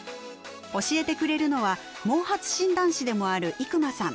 教えてくれるのは毛髪診断士でもある伊熊さん。